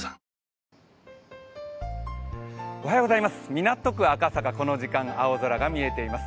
港区赤坂、この時間青空が見えています。